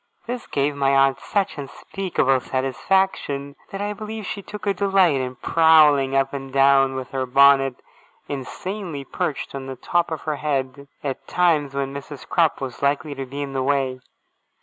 This gave my aunt such unspeakable satisfaction, that I believe she took a delight in prowling up and down, with her bonnet insanely perched on the top of her head, at times when Mrs. Crupp was likely to be in the way.